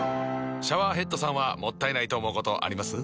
シャワーヘッドさんはもったいないと思うことあります？